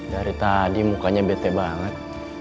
dari tadi mukanya bete banget